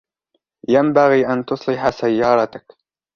ينبغي أن تصلح سيارتك.